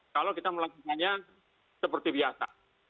kalau kita melakukannya seperti biasa